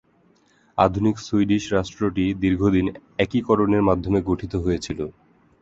আধুনিক সুইডিশ রাষ্ট্রটি দীর্ঘদিন একীকরণের মাধ্যমে গঠিত হয়েছিল।